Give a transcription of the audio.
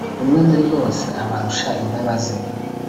umwe muri bose ubarusha imbabazi